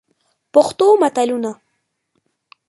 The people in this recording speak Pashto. پښتو متلونه: